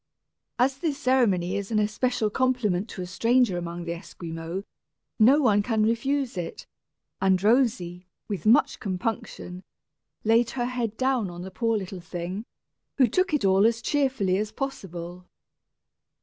As this ceremony is an especial compliment to a stranger among the Esquimaux, no one can refuse it; and Rosy, with much compunction, laid her head down on the poor little thing, who took it all as cheerfully as possible.